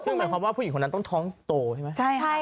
เหมือนผู้หญิงต้องท้องตัวใช่ไหม